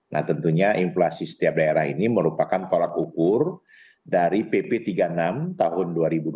nah tentunya inflasi setiap daerah ini merupakan tolak ukur dari pp tiga puluh enam tahun dua ribu dua puluh